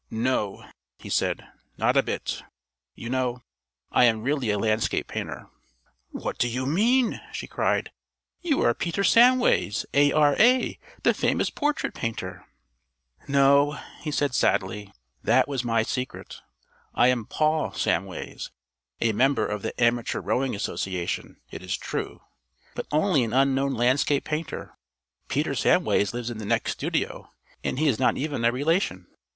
"No," he said. "Not a bit. You know, I am really a landscape painter." "What do you mean?" she cried. "You are Peter Samways, A.R.A., the famous portrait painter!" "No," he said sadly. "That was my secret. I am Paul Samways. A member of the Amateur Rowing Association, it is true, but only an unknown landscape painter. Peter Samways lives in the next studio, and he is not even a relation."